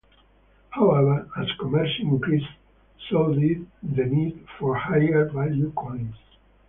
However, as commerce increased, so did the need for higher value coins.